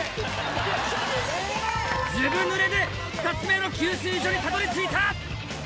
ずぶぬれで２つ目の給水所にたどり着いた！